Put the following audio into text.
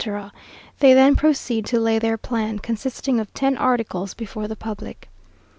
They then proceed to lay their plan, consisting of ten articles, before the public.